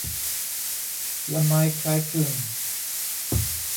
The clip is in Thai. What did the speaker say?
ละม้ายคล้ายคลึง